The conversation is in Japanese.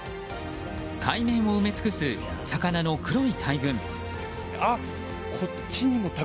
海面を埋め尽くす魚の黒い大群。